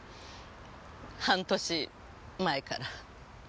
半年前から。